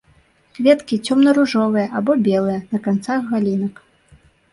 Кветкі цёмна-ружовыя або белыя, на канцах галінак.